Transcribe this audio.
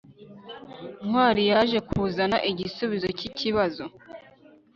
ntwali yaje kuzana igisubizo cyikibazo